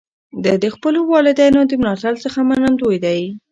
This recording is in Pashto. ده د خپلو والدینو د ملاتړ څخه منندوی دی.